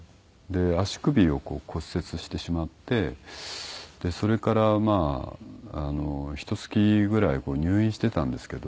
足首を骨折してしまってそれからまあひと月ぐらい入院してたんですけど。